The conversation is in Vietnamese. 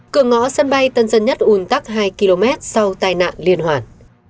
cửa ngõ sân bay tân dân nhất ún tắt hai km sau tai nạn liên hoàn